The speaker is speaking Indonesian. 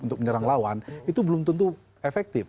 untuk menyerang lawan itu belum tentu efektif